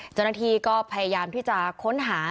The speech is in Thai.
เจ้าหน้าที่ก็พยายามที่จะค้นหา